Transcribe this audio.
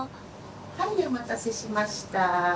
はいお待たせしました。